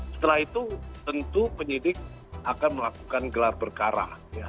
setelah itu tentu penyidik akan melakukan gelar perkara